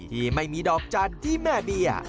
ที่ไม่มีดอกจันทร์ที่แม่เบียร์